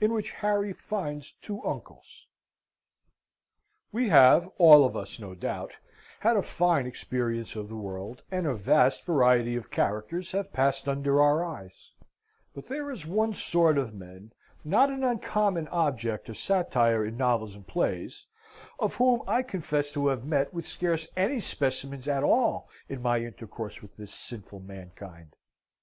In which Harry finds two Uncles We have all of us, no doubt, had a fine experience of the world, and a vast variety of characters have passed under our eyes; but there is one sort of men not an uncommon object of satire in novels and plays of whom I confess to have met with scarce any specimens at all in my intercourse with this sinful mankind.